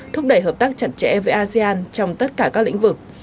thúc đẩy hợp tác chặt chẽ với asean trong tất cả các lĩnh vực